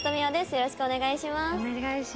よろしくお願いします。